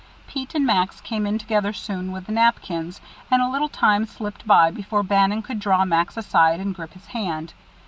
Pete and Max came in together soon with the napkins, and a little time slipped by before Bannon could draw Max aside and grip his hand.